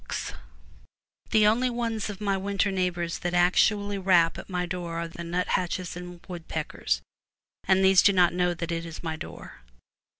259 MY BOOK HOUSE The only ones of my winter neighbors that actually rap at my door are the nut hatches and woodpeckers, and these do not know that it is my door.